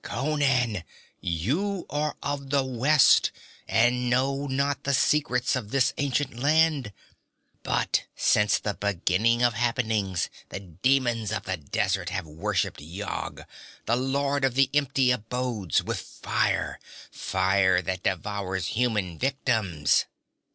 Conan, you are of the West, and know not the secrets of this ancient land. But, since the beginning of happenings, the demons of the desert have worshipped Yog, the Lord of the Empty Abodes, with fire fire that devours human victims.